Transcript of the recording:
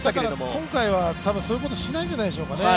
今回はそういうことしないんじゃないでしょうかね。